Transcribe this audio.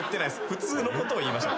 普通のことを言いました。